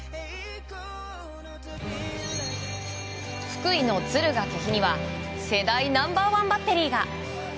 福井の敦賀気比には世代ナンバー１バッテリーが。